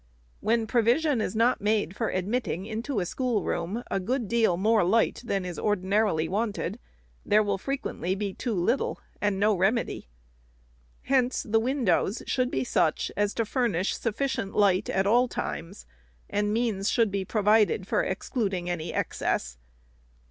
When provision is not made for admitting into a schoolroom a good deal more light than is ordinarily wanted, there will frequently be too little, and no remedy. Hence the windows should be such, as to furnish sufficient light at all times, and means should be provided for excluding any excess.